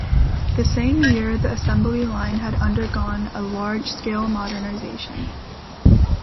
The same year the assembly line had undergone a large-scale modernization.